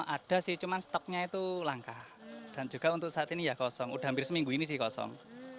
ada sih cuman stoknya itu langka dan juga untuk saat ini ya kosong udah hampir seminggu ini sih kosong